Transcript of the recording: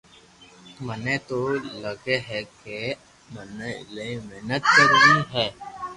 ميني تو لگي ھي ڪي مني ايلائي محنت ڪروي ھي